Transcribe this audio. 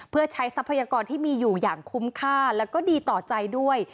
เพื่อใช้ทรัพยากรที่มีอยู่อย่างคุ้มค่าแล้วก็ดีต่อใจด้วย